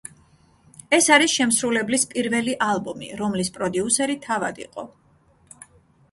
ეს არის შემსრულებლის პირველი ალბომი, რომლის პროდიუსერი თავად იყო.